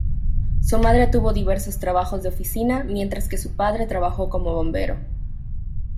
Su madre tuvo diversos trabajos de oficina mientras que su padre trabajó como bombero.